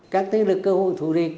các tên lực cơ hội thủ địch